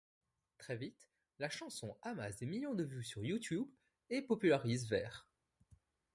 Très vite, la chanson amasse des millions de vues sur Youtube et popularise Vert.